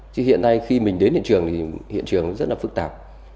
chứ hiện nay khi mình đến hiện trường thì hiện trường rất là phức tạp